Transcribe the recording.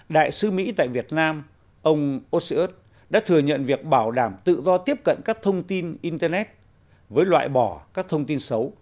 đại sứ mỹ tại việt nam ông osyuth đã thừa nhận việc bảo đảm tự do tiếp cận các thông tin internet với loại bỏ các thông tin xấu